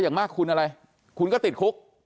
อย่างมากคุณอะไรคุณก็ติดคุก